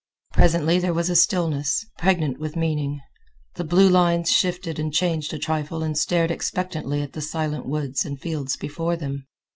Presently there was a stillness, pregnant with meaning. The blue lines shifted and changed a trifle and stared expectantly at the silent woods and fields before them.